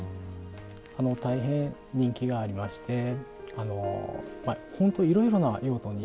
大変人気がありまして本当いろいろな用途に使われますね。